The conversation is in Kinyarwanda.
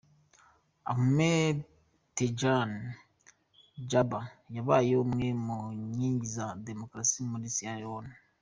Ahmed Tejan Kabah yabaye umwe mu nkingi za demokarasi muri Sierra Leone.